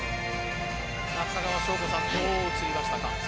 中川翔子さんどう映りましたか。